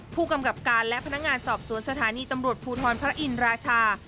ผู้กำกับการและพนักงานสอบสวนสถานีตำรวจภูทรพระอินราชา